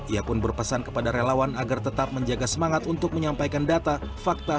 ia pun berpesan kepada relawan agar tetap menjaga semangat untuk menyampaikan data fakta